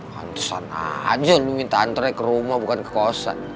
hantesan aja lu minta antre ke rumah bukan ke kosan